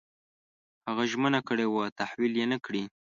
هغه ژمنه کړې وه تحویل یې نه کړې.